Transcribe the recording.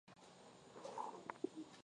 Ugonjwa wa shingo kupinda huathiri ngamia